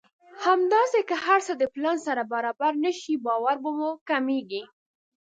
همداسې که هر څه د پلان سره برابر نه شي باور مو کمېږي.